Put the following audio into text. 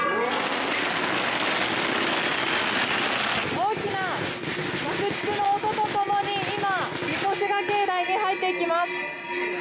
大きな爆竹の音と共に、今、みこしが境内に入っていきます。